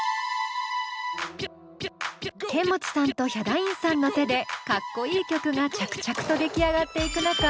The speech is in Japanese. ケンモチさんとヒャダインさんの手でかっこいい曲が着々と出来上がっていく中